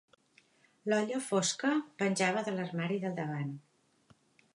L'olla fosca penjava de l'armari del davant.